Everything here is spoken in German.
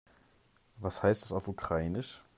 Was heißt das auf Ukrainisch?